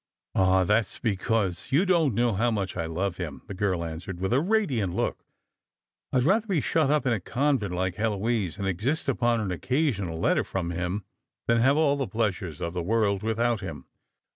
" Ah, that's because you don't know how much I love him," the girl answered, with a radiant look. " I'd rather be shut up in a convent, like Heloise, and exist upon an occasional letter from him, than have all the pleaeuresof the world without him."